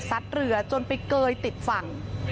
เรือจนไปเกยติดฝั่ง